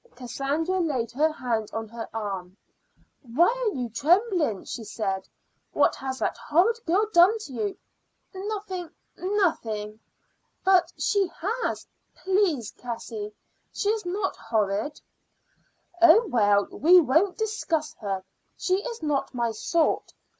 Cassandra laid her hand on her arm. "Why, you are trembling," she said. "What has that horrid girl done to you?" "Nothing nothing." "But she has." "Please, Cassie, she is not horrid." "Oh, well, we won't discuss her. She is not my sort.